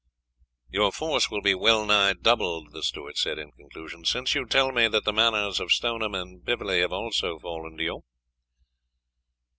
"Your force will be well nigh doubled," the steward said in conclusion, "since you tell me that the manors of Stoneham and Piverley have also fallen to you."